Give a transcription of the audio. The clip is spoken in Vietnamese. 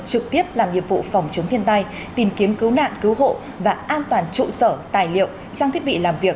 trực tiếp làm nhiệm vụ phòng chống thiên tai tìm kiếm cứu nạn cứu hộ và an toàn trụ sở tài liệu trang thiết bị làm việc